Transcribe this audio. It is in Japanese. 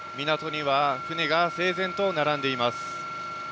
港には船が整然と並んでいます。